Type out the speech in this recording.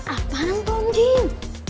apaan tuh jun